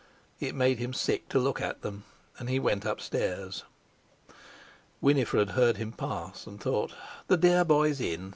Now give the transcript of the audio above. It made him sick to look at them, and he went upstairs. Winifred heard him pass, and thought: "The dear boy's in.